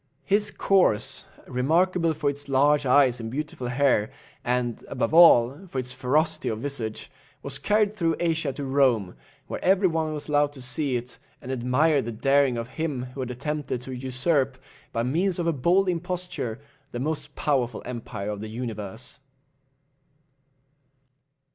His corse, remarkable for its large eyes and beautiful hair, and, above all, for its ferocity of visage, was carried through Asia to Rome, where every one was allowed to see it, and admire the daring of him who had attempted to usurp, by means of a bold imposture, the most powerful empire of the universe.